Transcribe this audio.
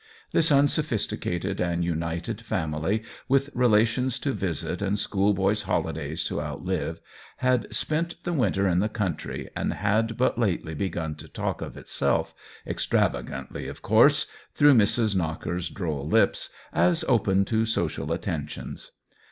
This unsophisticated and united family, with relations to visit and school boys' holidays to outlive, had spent the winter in the country and had but lately begun to talk of itself, extravagantly, of course, through Mrs. Knocker's droll lips, as open to social attentions.